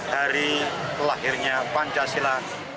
hari lahirnya pancasila